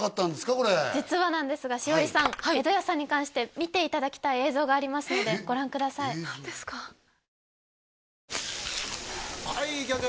これ実はなんですが栞里さんＥｄｏｙａさんに関して見ていただきたい映像がありますのでご覧くださいジュー・